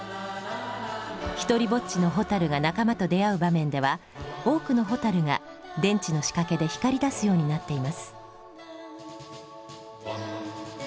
ひとりぼっちの蛍が仲間と出会う場面では多くの蛍が電池の仕掛けで光りだすようになっています。